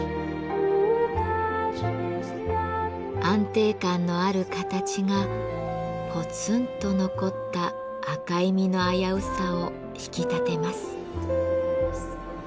安定感のある形がぽつんと残った赤い実の危うさを引き立てます。